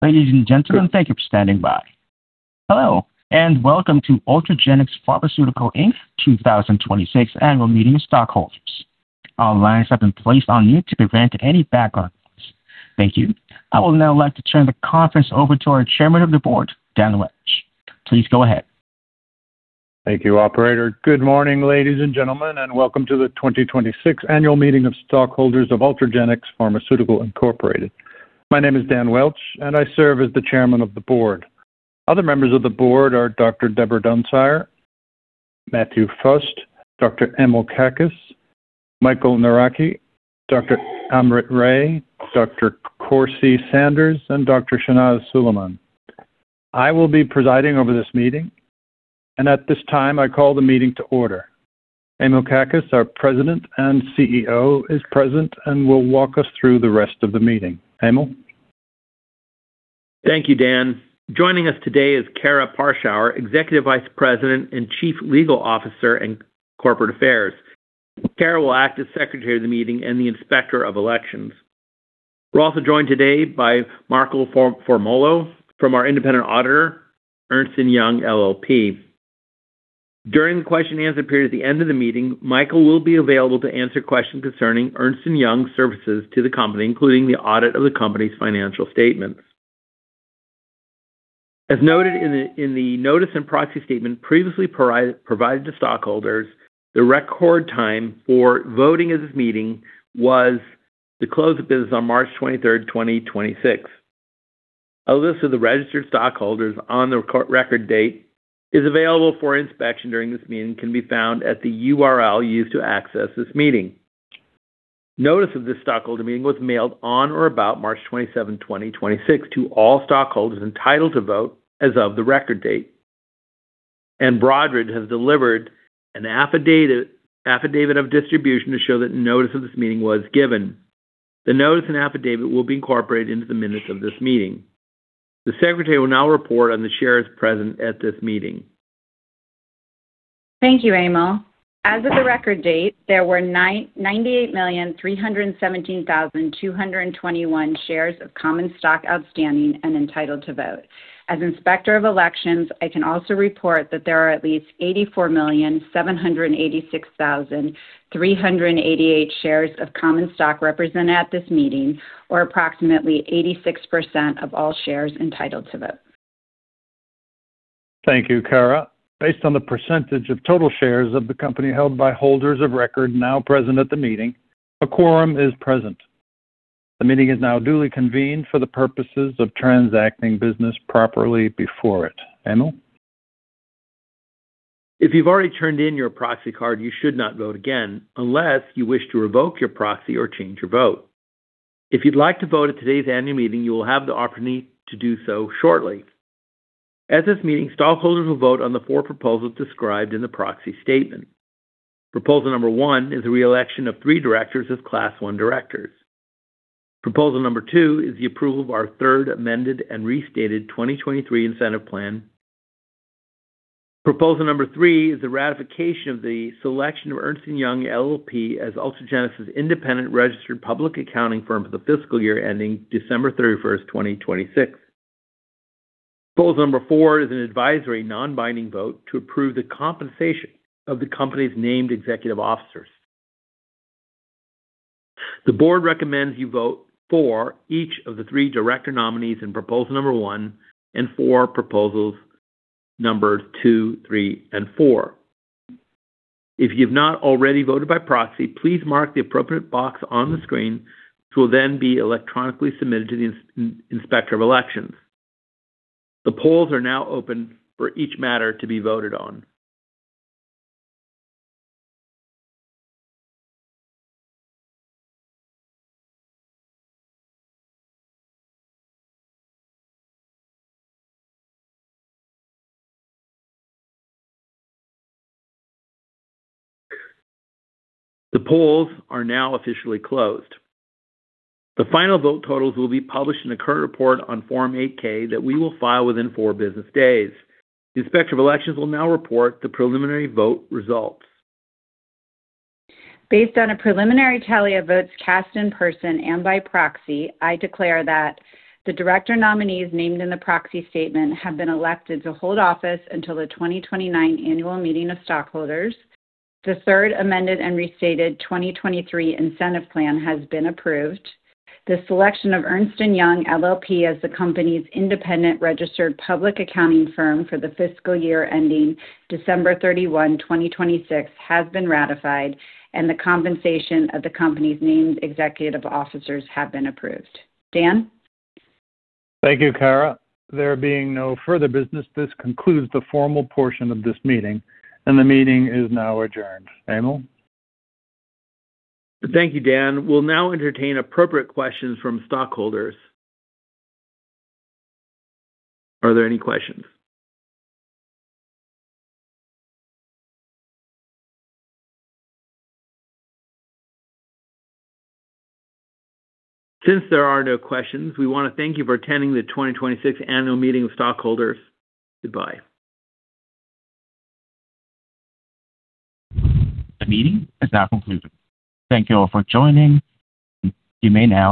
Ladies and gentlemen, thank you for standing by. Hello, welcome to Ultragenyx Pharmaceutical Inc. 2026 Annual Meeting of Stockholders. All lines have been placed on mute to prevent any background noise. Thank you. I would now like to turn the conference over to our Chairman of the Board, Dan Welch. Please go ahead. Thank you, operator. Good morning, ladies and gentlemen, and welcome to the 2026 Annual Meeting of Stockholders of Ultragenyx Pharmaceutical Inc. My name is Daniel G. Welch, and I serve as the Chairman of the Board. Other members of the Board are Dr. Deborah Dunsire, Matthew Fust, Dr. Emil Kakkis, Michael Narachi, Dr. Amrit Ray, Dr. Corsee Sanders, and Dr. Shehnaaz Suliman. I will be presiding over this meeting. At this time, I call the meeting to order. Emil Kakkis, our President and CEO, is present and will walk us through the rest of the meeting. Emil? Thank you, Dan. Joining us today is Karah Parschauer, Executive Vice President and Chief Legal Officer in Corporate Affairs. Karah will act as secretary of the meeting and the inspector of elections. We're also joined today by Michael Formolo from our independent auditor, Ernst & Young LLP. During the question and answer period at the end of the meeting, Michael will be available to answer questions concerning Ernst & Young services to the company, including the audit of the company's financial statements. As noted in the notice and proxy statement previously provided to stockholders, the record time for voting at this meeting was the close of business on March 23rd, 2026. A list of the registered stockholders on the record date is available for inspection during this meeting and can be found at the URL used to access this meeting. Notice of this stockholder meeting was mailed on or about March 27, 2026 to all stockholders entitled to vote as of the record date. Broadridge has delivered an affidavit of distribution to show that notice of this meeting was given. The notice and affidavit will be incorporated into the minutes of this meeting. The secretary will now report on the shares present at this meeting. Thank you, Emil. As of the record date, there were 98,317,221 shares of common stock outstanding and entitled to vote. As Inspector of Elections, I can also report that there are at least 84,786,388 shares of common stock represented at this meeting, or approximately 86% of all shares entitled to vote. Thank you, Karah. Based on the percentage of total shares of the company held by holders of record now present at the meeting, a quorum is present. The meeting is now duly convened for the purposes of transacting business properly before it. Emil? If you've already turned in your proxy card, you should not vote again unless you wish to revoke your proxy or change your vote. If you'd like to vote at today's annual meeting, you will have the opportunity to do so shortly. At this meeting, stockholders will vote on the four proposals described in the proxy statement. Proposal number one is a reelection of three directors as class one directors. Proposal number two is the approval of our third amended and restated 2023 incentive plan. Proposal number three is the ratification of the selection of Ernst & Young LLP as Ultragenyx's independent registered public accounting firm for the fiscal year ending December 31st, 2026. Proposal number four is an advisory non-binding vote to approve the compensation of the company's named executive officers. The board recommends you vote for each of the three director nominees in proposal number one and for proposals numbers two, three, and four. If you've not already voted by proxy, please mark the appropriate box on the screen, which will then be electronically submitted to the Inspector of Elections. The polls are now open for each matter to be voted on. The polls are now officially closed. The final vote totals will be published in the current report on Form 8-K that we will file within four business days. The Inspector of Elections will now report the preliminary vote results. Based on a preliminary tally of votes cast in person and by proxy, I declare that the director nominees named in the proxy statement have been elected to hold office until the 2029 Annual Meeting of Stockholders. The third amended and restated 2023 Incentive Plan has been approved. The selection of Ernst & Young LLP as the company's independent registered public accounting firm for the fiscal year ending December 31, 2026, has been ratified, and the compensation of the company's named executive officers have been approved. Dan? Thank you, Karah. There being no further business, this concludes the formal portion of this meeting, and the meeting is now adjourned. Emil? Thank you, Dan. We'll now entertain appropriate questions from stockholders. Are there any questions? Since there are no questions, we wanna thank you for attending the 2026 Annual Meeting of Stockholders. Goodbye. The meeting has now concluded. Thank you all for joining. You may now disconnect.